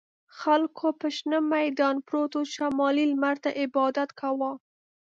خلکو په شنه میدان پروتو شمالي لمر ته عبادت کاوه.